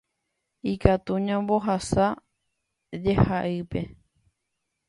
ikatu ñambohasa jehaípe.